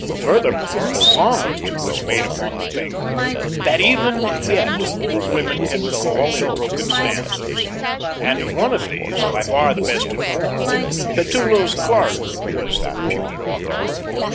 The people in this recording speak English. Furthermore, a song or two was made upon the thing, that even yet old women can recall in broken stanzas, and of one of these, by far the best informed, Petullo's clerk was the reputed author.